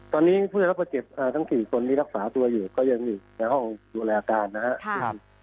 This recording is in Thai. ตอนนี้ผู้รับประเจ็บทั้ง๔คนนี้รักษาตัวอยู่ก็ยังอยู่ในห้องดูแลอาการนะครับ